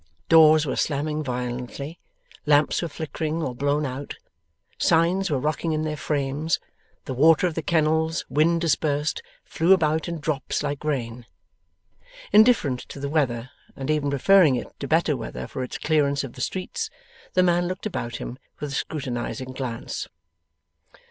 Doors were slamming violently, lamps were flickering or blown out, signs were rocking in their frames, the water of the kennels, wind dispersed, flew about in drops like rain. Indifferent to the weather, and even preferring it to better weather for its clearance of the streets, the man looked about him with a scrutinizing glance.